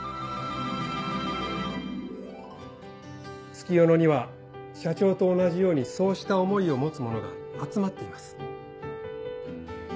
月夜野には社長と同じようにそうした思いを持つ者が集まっています。